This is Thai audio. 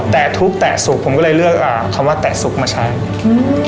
แต่ทุกข์แตะสุขผมก็เลยเลือกอ่าคำว่าแตะสุกมาใช้อืม